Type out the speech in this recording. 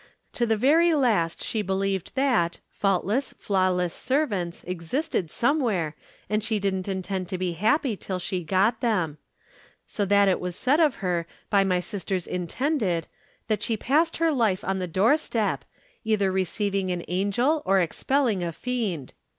To the very last she believed that, faultless, flawless servants existed somewhere and she didn't intend to be happy till she got them; so that it was said of her by my sister's intended that she passed her life on the doorstep, either receiving an angel or expelling a fiend.